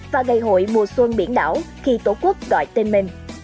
và ngày hội mùa xuân biển đảo khi tổ quốc gọi tên mình